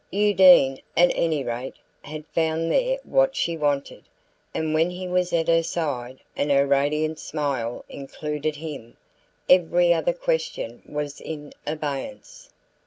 Undine, at any rate, had found there what she wanted; and when he was at her side, and her radiant smile included him, every other question was in abeyance.